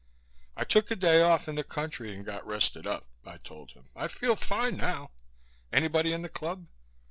"I took a day off in the country and got rested up," I told him. "I feel fine now. Anybody in the Club?"